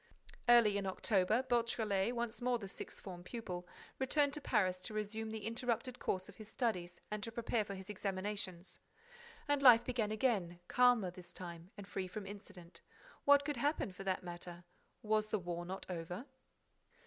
Early in October, Beautrelet, once more the sixth form pupil, returned to Paris to resume the interrupted course of his studies and to prepare for his examinations. And life began again, calmer, this time, and free from incident. What could happen, for that matter. Was the war not over?